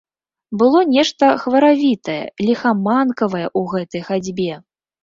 Было нешта хваравітае, ліхаманкавае ў гэтай хадзьбе.